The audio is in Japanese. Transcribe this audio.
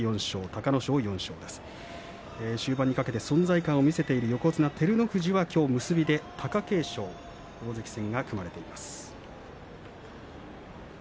終盤にかけて存在感を見せている横綱照ノ富士、きょう結びで貴景勝と対戦が組まれています。